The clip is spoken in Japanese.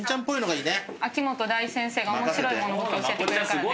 秋元大先生が面白いモノボケ教えてくれるからね。